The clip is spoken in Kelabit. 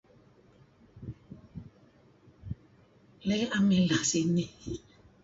le' naam mileh sinih